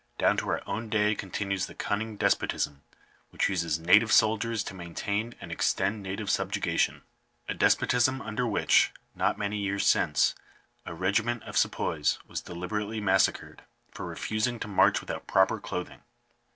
Down to our own day continues the cunning despotism which uses native soldiers to maintain and extend native subjection — a despotism under which, not many years since, a regiment of sepoys was delibe rately massacred, for refusing to march without proper clothing.